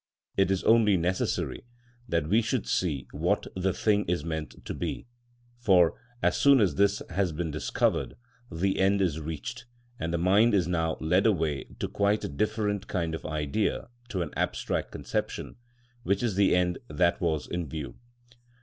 It is only necessary that we should see what the thing is meant to be, for, as soon as this has been discovered, the end is reached, and the mind is now led away to quite a different kind of idea to an abstract conception, which is the end that was in view.